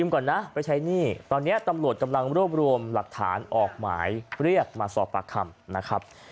กำลังรวมรวมหลักฐานออกหมายเรียกมาสอบปลากคำ